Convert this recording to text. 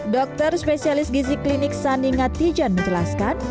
dokter spesialis gizi klinik sanninga tijan menjelaskan